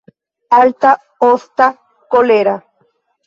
Alta, osta, kolera.